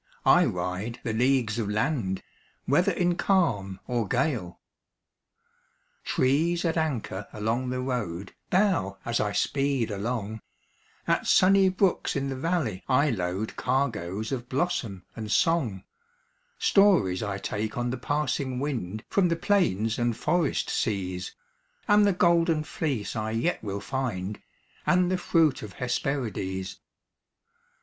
I ride the leagues of land. Whether in calm or gale. 38 Preparedness Trees at anchor along the road Bow as I speed along; At sunny brooks in the valley I load Cargoes of blossom and song; Stories I take on the passing wind From the plains and forest seas, And the Golden Fleece I yet will find, And the fruit of Hesperides.